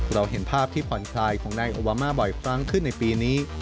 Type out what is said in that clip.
เราเห็นภาพที่ผ่อนคลายของนายโอวามาบ่อยครั้งขึ้นในปีนี้